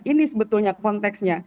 ini sebetulnya konteksnya